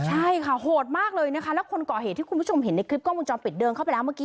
ใช่ค่ะโหดมากเลยนะคะแล้วก็คนก่อเหตุที่คุณผู้ชมเห็นในคลิปกล้องมุงมือปิดเดิมแล้วไว้